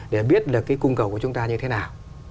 để biết là cung cầu của chúng ta như thế nào